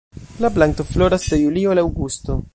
La planto floras de julio al aŭgusto.